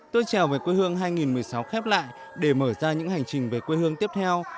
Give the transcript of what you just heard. tôi trèo về quê hương hai nghìn một mươi sáu khép lại để mở ra những hành trình về quê hương tiếp theo